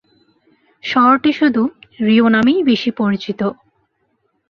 শহরটি শুধু "রিউ" নামেই বেশি পরিচিত।